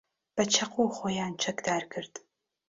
بە چەقۆ خۆیان چەکدار کرد.